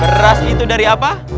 beras itu dari apa